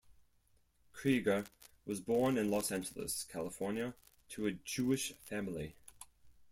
Krieger was born in Los Angeles, California to a Jewish family.